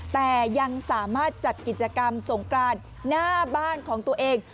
แต่ยังสามารถจัดกิจกรรมสงกรานหน้าบ้านของตัวเอง